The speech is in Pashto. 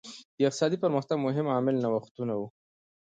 د اقتصادي پرمختګ مهم عامل نوښتونه وو.